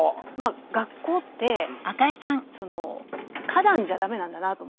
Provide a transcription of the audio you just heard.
学校って花壇じゃダメなんだなと思って。